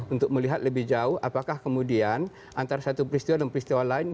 untuk melihat lebih jauh apakah kemudian antara satu peristiwa dan peristiwa lain